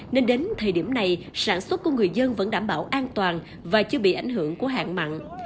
nên đến thời điểm này sản xuất của người dân vẫn đảm bảo an toàn và chưa bị ảnh hưởng của hạn mặn